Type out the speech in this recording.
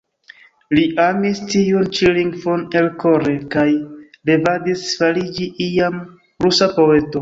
Li amis tiun ĉi lingvon elkore, kaj revadis fariĝi iam rusa poeto.